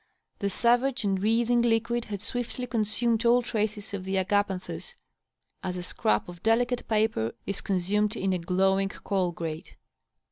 The savage and seething liauid had swiftly consumed all traces of the agapanthus, as a scrap of delicate paper is consumed in a glowing coal grate.